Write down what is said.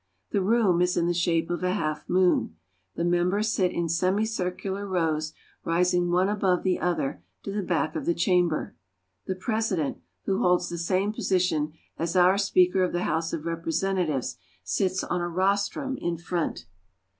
The room. is in the shape of a half moon. The members sit in semicircular rows rising one above the other to the back of the chamber. The President, who holds the same position as our Speaker of the House of Representatives, sits on a rostrum in front.